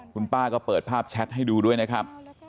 คุณป้าก็เปิดภาพแชทให้ดูด้วยนะครับ